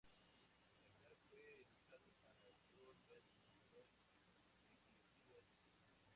Otakar fue educado para el rol de administrador eclesiástico.